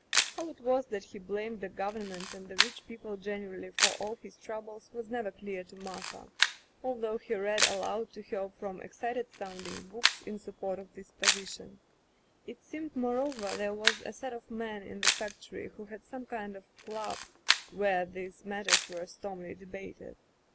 How it was that he blamed the Government and the rich people generally for all his troubles was never clear to Martha, although he read aloud to her from excited sounding books in support of this position. It seemed, moreover, there was a set of men in the factory who had some kind of club where these matters were stormily debated.